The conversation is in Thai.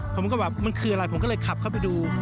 ผมก็แบบมันคืออะไรผมก็เลยขับเข้าไปดู